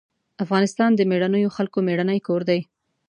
افغانستان د مېړنيو خلکو مېړنی کور دی.